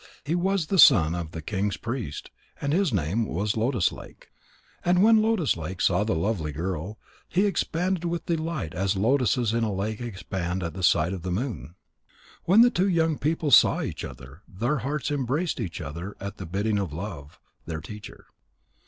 He was the son of the king's priest, and his name was Lotus lake. And when Lotus lake saw the lovely girl, he expanded with delight as lotuses in a lake expand at the sight of the moon. When the two young people saw each other, their hearts embraced each other at the bidding of Love, their teacher.